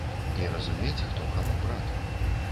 І разумець, хто каму брат.